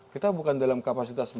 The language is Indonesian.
kita bukan dalam kapasitas